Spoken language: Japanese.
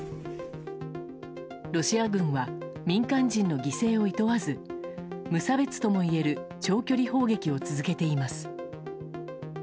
ロシア軍は民間人の犠牲をいとわず無差別ともいえる長距離砲撃を続けています。